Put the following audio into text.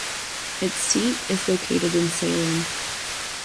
Its seat is located in Salem.